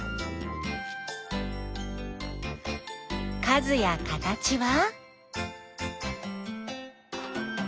数や形は？